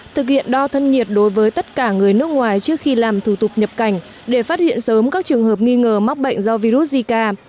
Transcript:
thực hiện đo thân nhiệt đối với tất cả người nước ngoài trước khi làm thủ tục nhập cảnh để phát hiện sớm các trường hợp nghi ngờ mắc bệnh do virus zika